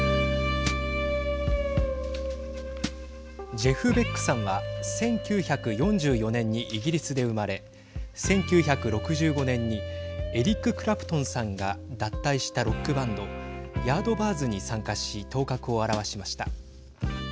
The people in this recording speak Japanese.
ジェフ・ベックさんは１９４４年にイギリスで生まれ、１９６５年にエリック・クラプトンさんが脱退したロックバンドヤードバーズに参加し頭角を現しました。